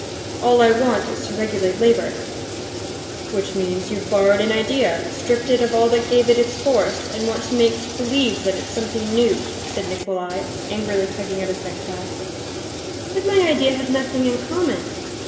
"All I want is to regulate labor." "Which means, you've borrowed an idea, stripped it of all that gave it its force, and want to make believe that it's something new," said Nikolay, angrily tugging at his necktie. "But my idea has nothing in common...."